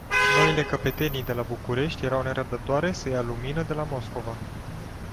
Noile căpetenii de la București erau nerăbdătoare să ia lumină de la Moscova.